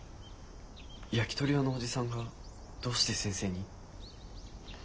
焼きとり屋のおじさんがどうして先生に？